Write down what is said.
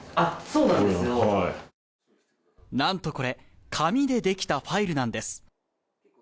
なんと、これ紙でできたファイルなんです。